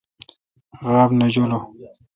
غاب نہ جولوں۔